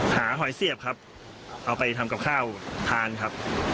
หอยเสียบครับเอาไปทำกับข้าวทานครับ